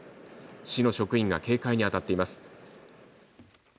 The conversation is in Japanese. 市の職員が警戒にあたっています。